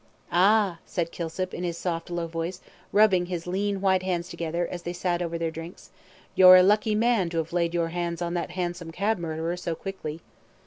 "Ah!" said Kilsip, in his soft, low voice, rubbing his lean white hands together, as they sat over their drinks, "you're a lucky man to have laid your hands on that hansom cab murderer so quickly."